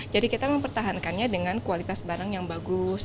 jadi kita mempertahankannya dengan kualitas barang yang bagus